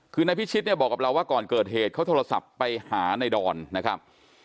คือนายพิชิตเนี่ยบอกกับเราว่าก่อนเกิดเหตุเขาโทรศัพท์ไปหาในดอนนะครับ